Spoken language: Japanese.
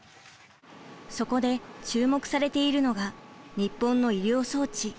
そこで注目されているのが日本の医療装置。